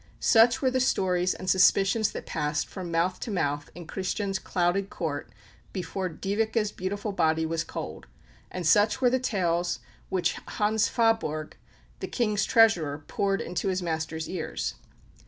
Such were the stories and suspicions that passed from mouth to mouth in Christian's clouded Court before Dyveke's beautiful body was cold; and such were the tales which Hans Faaborg, the King's Treasurer, poured into his master's ears.